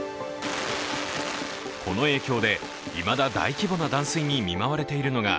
この影響でいまだ大規模な断水に見舞われているのが